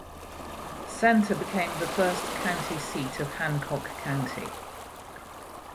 Center became the first county seat of Hancock County.